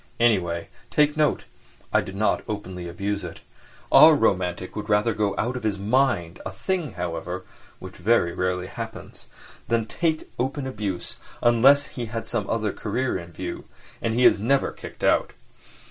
Anyway, take note, I did not openly abuse it. Our romantic would rather go out of his mind—a thing, however, which very rarely happens—than take to open abuse, unless he had some other career in view; and he is never kicked out.